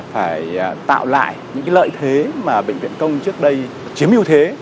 phải tạo lại những lợi thế mà bệnh viện công trước đây chiếm ưu thế